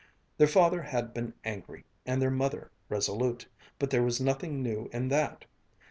Their father had been angry, and their mother resolute but there was nothing new in that.